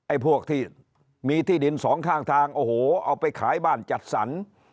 พวกที่มีที่ดินสองข้างทางโอ้โหเอาไปขายบ้านจัดสรร